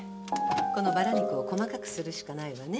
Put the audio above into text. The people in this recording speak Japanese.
このバラ肉を細かくするしかないわね。